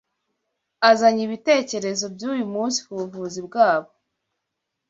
Azanye ibitekerezo byuyu munsi kubuvuzi bwabo,